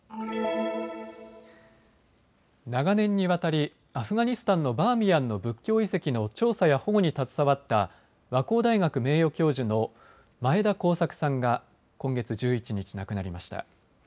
長年にわたりアフガニスタンのバーミヤンの仏教遺跡の調査や保護に携わった和光大学名誉教授の前田耕作さんが今月１１日、亡くなりました。